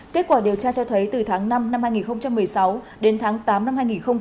kết quả điều tra cho thấy từ tháng năm năm hai nghìn một mươi sáu đến tháng tám năm hai nghìn một mươi chín